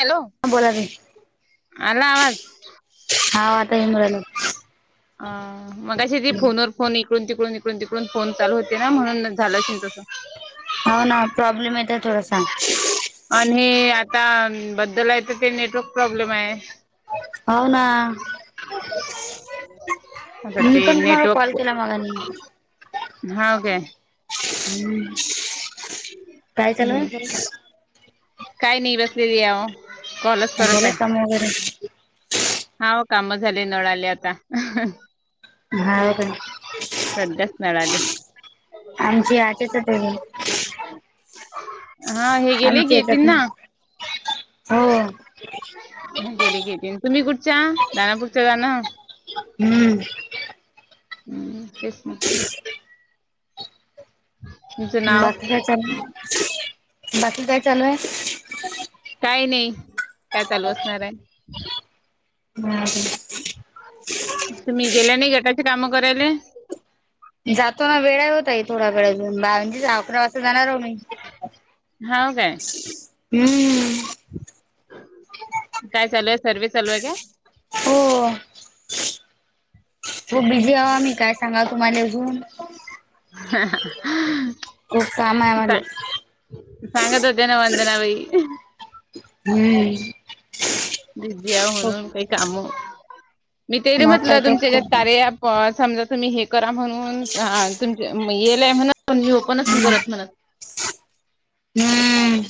Hello! बोला की. आला आवाज हा आता इंगळला. आ मघाशी ती फोनवर फोन इकडून तिकडून इकडून तिकडून फोन चालू होते ना म्हणूनच झाल असेल तस हो ना प्रॉब्लेम येतोय थोडासा. आणि आता बद्दल आहे तर ते नेटवर्क प्रॉब्लेम आहे. होव ना? आता मी ते पण तुम्हाला कॉल केला मंग आणि होव काय? काय चाल काही नाही बसलेली आवो झाल काम वगैरे? हाव काम झाले. नोळाले आता. हाव का? सध्याच नळ आले. आमचे आजेच ते हा हे गेले की येतील याच्यात नाही ना? हो. गेली की येतील. तुम्ही कुठच्या? जाना पुढच्या जाणं हम्म. हम्म तेच म्हंटल. तुमचं नाव बाकी काय चालू आहे? बाकी काय चालू आहे? काय नाही. काय चालू असणार आहे? [unintelligible] तुम्ही गेल्या नाही गटाची कामं करायले. जातो ना वेळाय ओ ताई. थोडा वेळ अजून. दहा म्हणजे अकरा वाजता जाणार व मी. हाव काय? हम्म. काय चालू आहे? सर्व्हिस चालू आहे काय? हो. हो बिझी हवा मी काय सांगाल तुम्हालेखनले अजून ह हा हा खूप काम आहे आम्हाला सां - सांगत होत्या ना वंदना बाई हम्म. बीजी खूप म्हणून काही काम. मी ते मग म्हटलं काय तर तुमच्यात्या खूप कार्या ॲप समजा तुम्ही हे करा म्हणून. तुम येलय म्हणून मी ओपनच नाही करत म्हणत. हम्म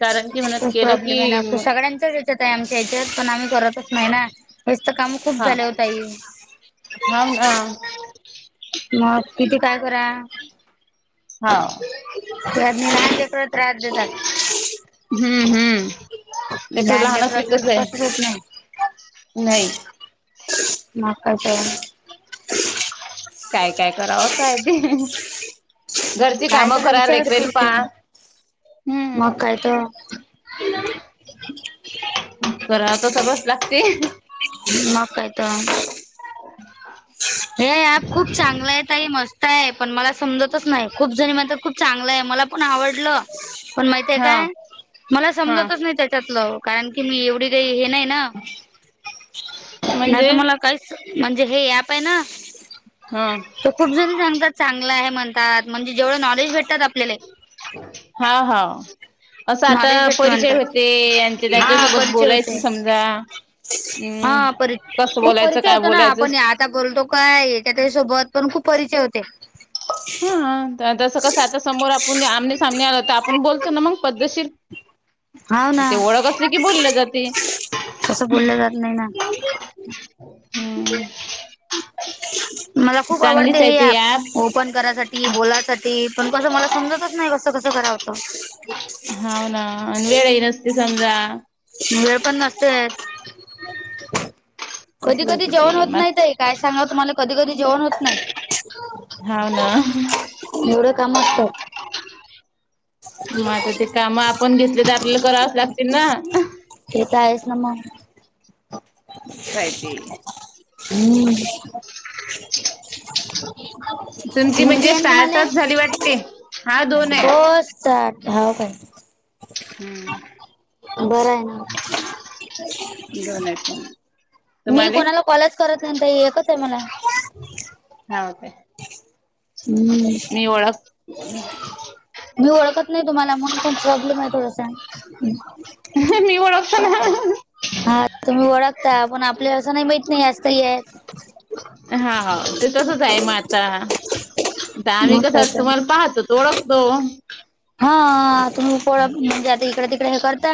कारण की म्हणत खूप केलं प्रॉब्लेमे ना. की म- सगळ्यांच्याच याच्यात आहे आमच्या या्याच्यात. पण आम्ही करतच नाही ना. हेच त काम खूप हा झाले हो ताई. हाव ना. मग किती काय करा. हाव त्यातनि लहान लेकर त्रास देतात. हम्म हम्म लेकरं लहान असली लेकराच की कसं कसच आहे होत नाही. नाही मग काय त. काय काय करावं असय ते. घरची काय कामं करा. विचारच लेकराले करते पाहा. मग काय त. कराव त सगळंच लागते. मग काय त. हे ॲप खूप चांगलंय ताई. मस्त तय. पण मला समजतच नाही. खूप जणी म्हणता खूप चांगलंय. मला पण आवडलं. पण माहितीय हा काय? मला हा समजतच नाही त्याच्यातलं. कारण की मी एवढी काही हे नाही ना. नाही त म्हणजे मला काहीच. म्हणजे हे एपे ना. ह. ते खूप जण सांगतात. चांगला आहे म्हणतात. म्हणजे जेवढं नॉलेज भेटतात आपल्याले. हा हा. असं आता नॉलेज भेटते परिचय म्हणतात होते. हा त्यांच्यासोबत परिचय बोलायचे होते समजा. हा हम्म पर कसं खूप बोलायचं परिचय काय होतो ना. बोलायचं आपण आता बोलतो काय त्याच्या सोबत पण खूप परिचय होते. ह. जसं कस आता समोर आपण आमने सामने आलो त आपण बोलतो ना मग पद्धशीर. हाव ना ते ओळख असली की बोले जातेय. तसं बोलं जात नाही ना. हम्म मला खूप चांगलीच आवडते आहे हे ती ऍप. फोन करासाठी. बोलायसाठी. पण कसं मला समजतच नाही. कसं कसं करावतं. हव ना. अन वेळही नसते समजा. वेळ पण नसतेच. कधी तसच कधी होते जेवण ते होत नाही मग ताई. काय सांगाव तुम्हाला कधी कधी जेवण होत नाही. हाव ना. एवढं काम असतं. म आता ते काम आपण घेतले. त आपल्याला करावाच लागतील ना. तेेत आहेस ना म. काय ते हम्म. तुमची मुलगी म्हणजे आहे ना तुम्हाले? स्टार्टच झाली वाटते हा दोन हो. आहेत. हाव काय. हम्म. बरंय ना. दोनी पण. मी कोणाला कॉलच करत नाही ना ताई. एकचे मला. हाव काय हम्म. मी ओळख मी ओळखत नाही तुम्हाला म्हणून ते प्रॉब्लेम आहे थोडसा. मी ओळखतोय ना. तुम्ही ओळखता पण आपल्या असं नाही माहित नाही असेही आहे. हा ते तसच आहे मग आता. आता आम्ही मग काय कसं तर तुम्हाला पाहतो. ओळखतो. हा तुम्ही [unintelligible] म्हणजे आता इकडे तिकडे हे करता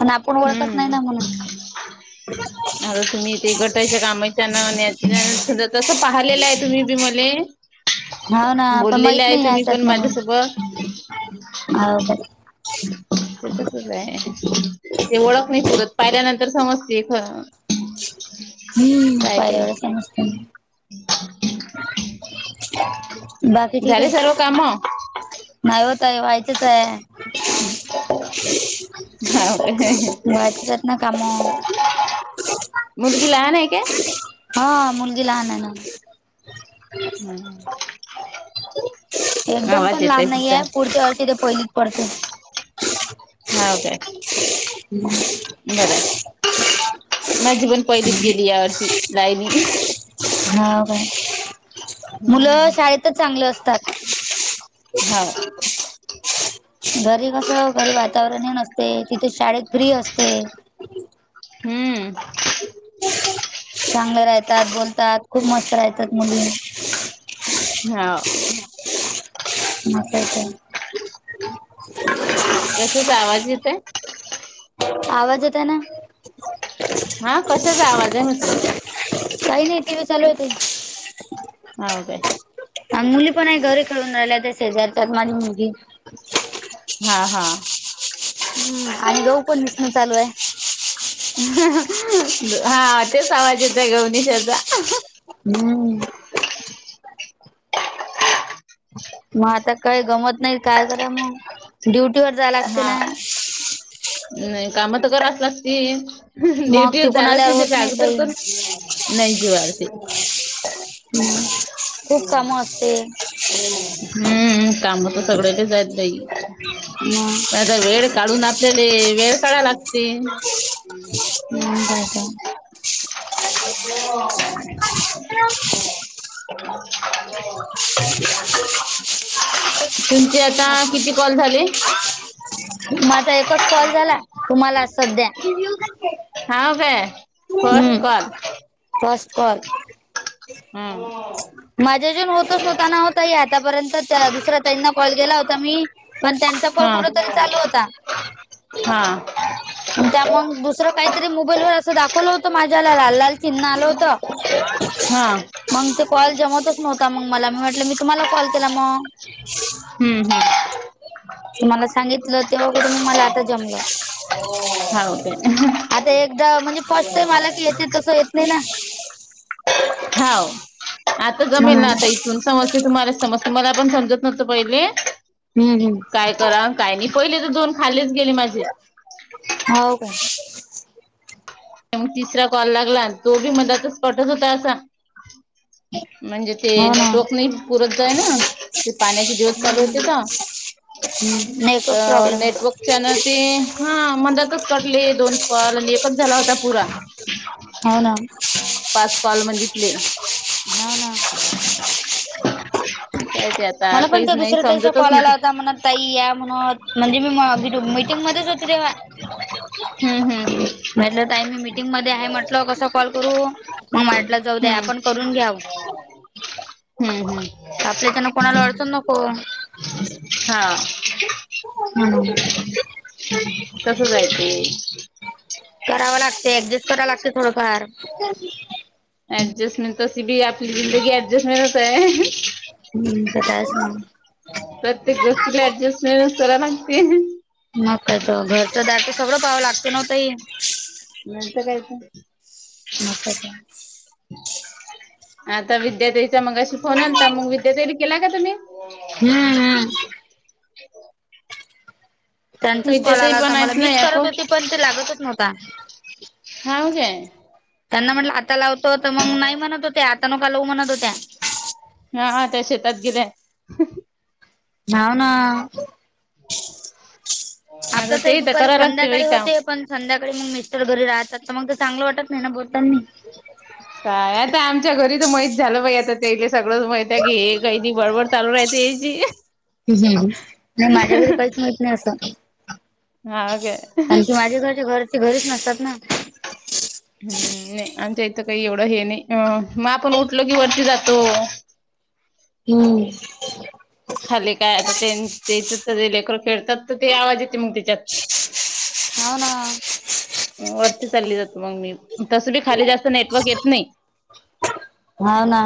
पण आपण ओळखत नाही हम्म ना म्हणून. [unintelligible] तस पाहिलेलं आहे तुम्ही बी मले. हो ना आपण माहित बोललेले आहे नाही ह्या तुम्ही पण असतात म्हणून माझ्यासोबत. हो का! तेच आहे ते ओळख नाही सुरत पाहिल्या तर समजते खर हम्म काय ते. पाहिल्या वेळेस समजते बाकी ठीक झाली सर्व आहे काम? नाही होतय व्हायचच आहे. हाव काय [unintelligible] ना काम मुलगी लहान आहे काय? हो. मुलगी लहान आहे ना. एकदम आवाज पण येतय लहान नाही आहे. पुढच्या वर्षी ते पहिलीत पडते. हा काय. [unintelligible] बरं आहे. माझी पण पहिलीत गेली या वर्षी सायली. ह काय. मुलं शाळेतच चांगलं असतात. हाव घरी कसं घरी वातावरणही नसते, तिथे शाळेत फ्री असते. हम्म. चांगले राहतात, बोलतात, खूप मस्त राहतात मुली. हाव कशाचा आवाज येत आहे [unintelligible] आवाज येतोय ना? हां कशाचा आवाज आहे? म्हटलं. काही नाही टी व्ही चालू होती. हा काय. आणि मुली पण आहे, घरी खेळून राहिल्याय त्या शेजारच्यात माझी मुलगी [unintelligible] हा हा. हम्म आणि गहू पण पिसणं चालू आहे. हां तेच आवाज येतोय [unintelligible] हम्म. मग आता काय गमत नाही काय करा मग ड्युटी वर जायला लागते ना. हा नाही कामात तर कराच लागती. मग ड्युटीवर तिकून जालाच आल्यावर [unintelligible] होत नाही अगोदर ताई करून हम्म [unintelligible] [unintelligible] खूप काम असते. हम्म. काम तर सगळ्यांचेच आहे ताई. हम्म. पण आता वेळ काढू लागते ते वेळ काढा लागते [unintelligible] [unintelligible] [unintelligible] [unintelligible] तुमचे आता किती कॉल झाले. माझा एकच कॉल झाला तुम्हाला सध्या. हाव काय फर्स्ट हम्म कॉल फस्ट कॉल हम्म माझ्याच्यान होतंच नव्हता ताई आतापर्यत. त्या दुसऱ्या ताईंना कॉल केला होता मी. पण त्यांचा कॉल हा कुठ तरी चालू होता. हा [inaudible] आणि त्या मग दुसर काहीतरी मोबाईल वर अस दाखवल होत. माझ्या ह्याला लाल लाल चिन्ह आल होत. हा मग ते कॉल जेव्हापासून नव्हता मग मला मी म्हटल मी तुम्हाला कॉल केला मग. हम्म हम्म तुम्हाला सांगितल, तेव्हा कुठून मला आता जमल. हाव काय आता एकदा म्हणजे फर्स्ट टाईम आला की येते. तस येत नाही ना. [inaudible] [unintelligible] आता जमेल ना म्हणून आता इथून समजते. तुम्हाला समजते मला पण समजत नव्हत पहिले. हम्म हम्म काय कराव काय नाही, पहिले तर दोन खालीच गेले माझे‌. हाव काय मग काय मग तिसरा कॉल लागला, तो बी मध्यतच तर कटच होतोय असा. म्हणजे ते हो ना नेटवर्क नाही पुरतय ना, ते पाण्याचे दिवस चालू आहेत तिथ. हम्म नेटवर्क प्रॉब्लेम नेटवर्कच्या न आहे. ते हा मंदातच कटले. दोन कॉल आणि एकच झाला होता पुरा. हो ना पास कॉल म्हणजे प्ले हा ना जाऊदे आता. मला पण काहीच त्या नाही दुसऱ्या ताईचा समजतच कॉल नाही आला ते होता म्हण ताई या म्हण म्हणजे मी म मटिंगमध्येच होती तेवा [inaudible] हम्म हम्म हम्म मिटीगमध्ये आहे म्हटल कस कॉल करू. मग माटलं जाऊ द्या हम्म आपण करून घ्याव. हम्म हम्म आपल्याच्यांना कुणाला अडचण नको हा ह हो कराव लागत. ऍडजस्ट कराव लागते थोडफार. ऍडजस्टमेंट तशी बी आपली जिंदगी ऍडजस्टमेंट व्हायला तयार आहे. हम्म प्रत्येक व्यक्तीला ऍडजस्टमेंटच करावे लागते. म कायत घरच दारच सगळ पाव लागत ना हो ताई. नच कायच [unintelligible] मग काय तर आता विदया ताईचा मगाशी फोन आलता, मंग विद्याताईला केला का तुम्ही? हम् हम्. त्यांचाच कॉल विद्याताई आला होता पण मला, आहेत ना मिच या पो करत होती पण ते लागतच नव्हता. हाव काय. त्यांना म्हटलं आता लावतो, तर मग नाही म्हणत होत्या, आता नका लऊ म्हणत होत्या. हां हां त्या शेतात गेल्याय. धाव ना, आता आपलं ते तर दुपारी करावं लागते बाई संध्याकाळी काम. होतय. पण संध्याकाळी मग मिस्टर घरी राहतात, तर मग तर चांगलं वाटत नही ना बोलतानी. काय आता, आमच्या घरी त माहित झालं बाइ आता तेले सगळं माहित त की हे काही त बडबडं चालू राहते हिची. नाही माझ्या घरी काहीच माहित नाही अस, काय आणखी माझ्या घरच्या-घरची-घरीच नसतात ना. हम्म नही आमच्या इथं काही एवढं हे नही, अ आपण उठलो की वरती जातो. हम्म. खाली काय आता त्यां-त्याचे ते लेकर खेळतात, तर ते आवाज येते मग त्याच्यात. [unintelligible] हाना. म वरती चालली जाते मग मी, तस बी खाली जास्त नेटवर्क येत नही. हाव ना.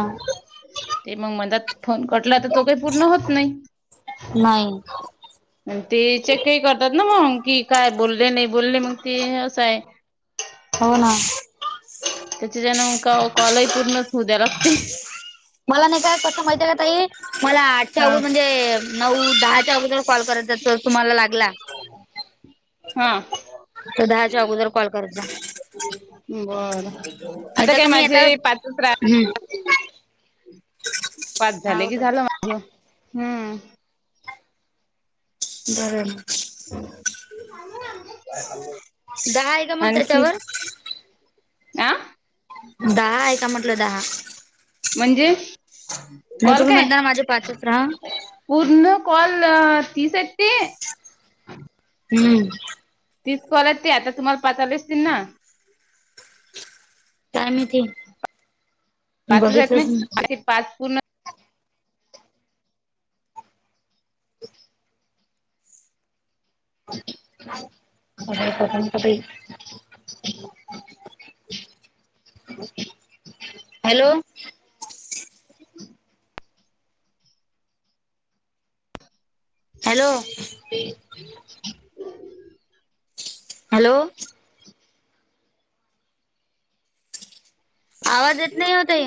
ते मग मदात फोन कटला तर, तो काही पूर्ण होत नाही. नाही. मं ते चेकही करतात ना मग, की काय बोले नाही, बोले मग ते असं हाय. हो ना. त्याचे जणं मंग का कॉलही पूर्णच होऊ द्यावे लागतील. मला नाही का कसं माहिती ये का ताई, मला आजच्या हा अग म्हणजे नऊ दहाच्या अगोदर कॉल करायचा, जर तुम्हाला लागला. हं. तर दहाच्या अगोदर कॉल करायचा बर, आता माहिती आहे काय का मी माझे पाच रा हम्म. पाच झाले हाव कि, काय झालं माझ. हम्म. बरं मं. [unintelligible] दहा आहे का मग आणखी? त्याच्यावर आं? दहा हाय का म्हटलं दहा? म्हणजे? नही कॉल तुम्ही काय म्हणता ना माझे पाच राह पूर्ण कॉल तीसयेत ते. हम्म. तीस कॉल ये ते, आता तुम्हाला पातले असतील ना? काय माहिती, मी पाचच आहेत बघितलं च नहीं. ना ते पाच पूर्ण अ प्रथम कते [unintelligible] हॅलो? हॅलो? हम्. हॅलो? आवाज येत नाही ओ ताई.